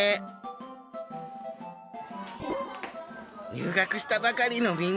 入学したばかりのみんな。